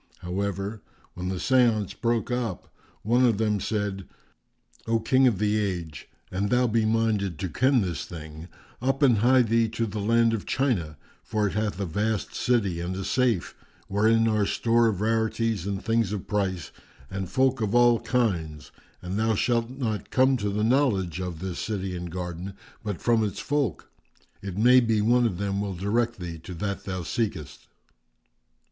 However, when the séance broke up, one of them said, "O King of the Age, an thou be minded to ken this thing, up and hie thee to the land of China; for it hath a vast city[FN#392] and a safe, wherein are store of rarities and things of price and folk of all kinds; and thou shalt not come to the knowledge of this city and garden but from its folk; it may be one of them will direct thee to that thou seekest."